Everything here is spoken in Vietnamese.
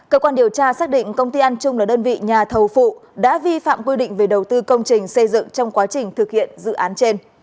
cơ quan điều tra xác định công ty an trung là đơn vị nhà thầu phụ đã vi phạm quy định về đầu tư công trình xây dựng trong quá trình thực hiện dự án trên